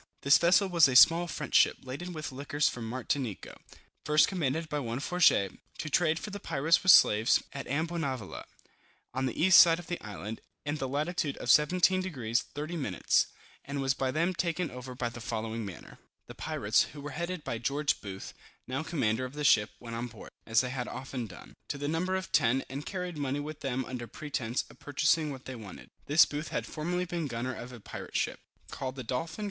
This vessel was a small French ship, laden with liquors from Martinico, first commanded by one Fourgette, to trade with the pirates for slaves, at Ambonavoula, on the east side of the island, in the latitude of 17 deg. 30 min. and was by them taken after the following manner. The pirates, who were headed by George Booth, now commander of the ship, went on board, (as they had often done,) to the number of ten, and carried money with them under pretence of purchasing what they wanted. This Booth had formerly been gunner of a pirate ship, called the Dolphin.